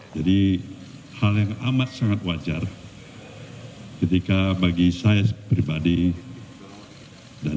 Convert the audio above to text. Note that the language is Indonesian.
hal yang amat sangat wajar ketika bagi saya pribadi dan